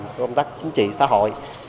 công tác chính trị xã hội